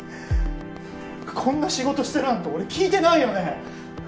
こんな仕事してるなんて俺聞いてないよね？